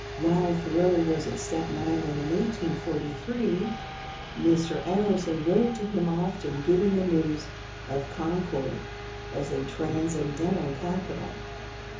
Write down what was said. While Thoreau was at Staten Island in 1843, Mr. Emerson wrote to him often, giving the news of Concord as a Transcendental capital.